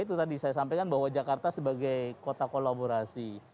itu tadi saya sampaikan bahwa jakarta sebagai kota kolaborasi